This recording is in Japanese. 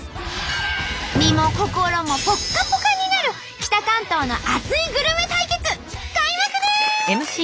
身も心もぽっかぽかになる北関東の熱いグルメ対決開幕です！